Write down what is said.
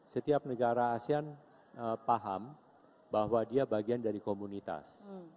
setiap negara asean paham bahwa dia bagian dari komunitas